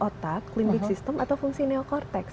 otak climbik system atau fungsi neokortex